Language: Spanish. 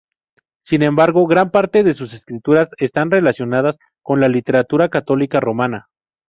Sin embargo, gran parte de sus escrituras están relacionadas con la literatura católica romana.